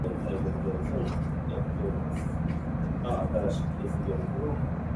A large, modern and light dental surgery hall is to be designed and constructed.